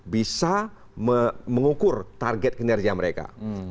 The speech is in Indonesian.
bisa mengukur target kinerja mereka